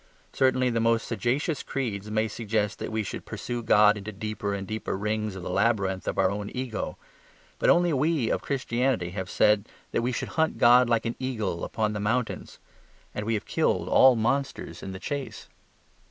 Certainly the most sagacious creeds may suggest that we should pursue God into deeper and deeper rings of the labyrinth of our own ego. But only we of Christendom have said that we should hunt God like an eagle upon the mountains: and we have killed all monsters in the chase.